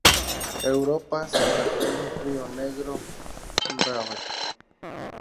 Europa, Santa Fe, Río Negro, Bv.